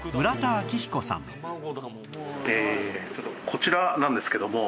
こちらなんですけども。